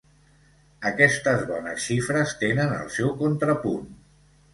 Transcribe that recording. Aquestes bones xifres tenen el seu contrapunt.